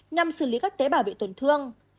nhằm xử lý các tế bảo bị tổn thương